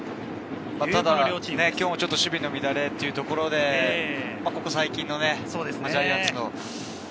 ただ今日も守備の乱れというところでここ最近のジャイアンツの。